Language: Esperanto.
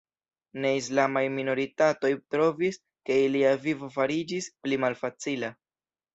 Ne-islamaj minoritatoj trovis ke ilia vivo fariĝis pli malfacila.